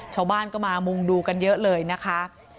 ชาวบ้านก็มามุงดูกันเยอะเลยนะคะ